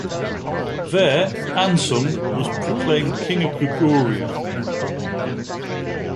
There Anseung was proclaimed king of Goguryeo.